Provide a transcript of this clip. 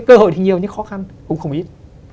cơ hội thì nhiều nhưng khó khăn cũng không ít